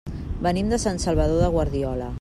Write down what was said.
Venim de Sant Salvador de Guardiola.